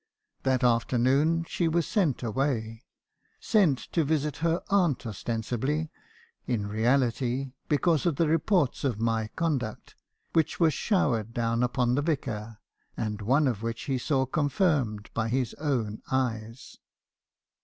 "That afternoon she was sent away; sent to visit her aunt ostensibly; in reality, because of the reports of my conduct, which were showered down upon the Vicar , and one of which he saw confirmed by his own eyes."